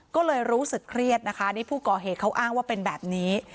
ก็เลยรู้สึกเครียดนะคะนี่ผู้ก่อเหตุเขาอ้างว่าเป็นแบบนี้